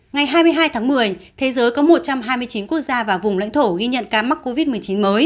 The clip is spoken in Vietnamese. ngày hai mươi hai tháng một mươi thế giới có một trăm hai mươi chín quốc gia và vùng lãnh thổ ghi nhận ca mắc covid một mươi chín mới